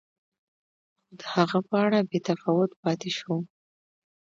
خو د هغه په اړه بې تفاوت پاتې شو.